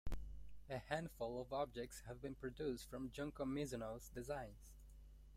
A handful of objects have been produced from Junko Mizuno's designs.